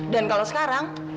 dan kalau sekarang